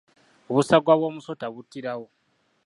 Obusagwa bw’omusota buttirawo.